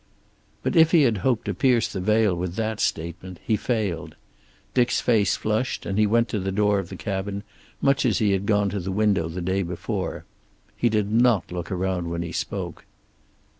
But if he had hoped to pierce the veil with that statement he failed. Dick's face flushed, and he went to the door of the cabin, much as he had gone to the window the day before. He did not look around when he spoke.